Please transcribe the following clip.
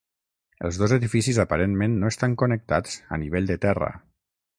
Els dos edificis aparentment no estan connectats a nivell de terra.